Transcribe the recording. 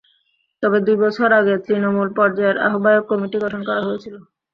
তবে দুই বছর আগে তৃণমূল পর্যায়ে আহ্বায়ক কমিটি গঠন করা হয়েছিল।